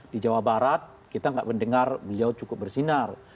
di jawa barat kita tidak mendengar beliau cukup bersinar